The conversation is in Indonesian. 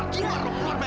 keluar lo keluar mer